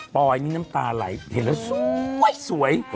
อยมีน้ำตาไหลเห็นแล้วสวย